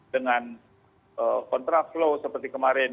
dengan kontraflow seperti kemarin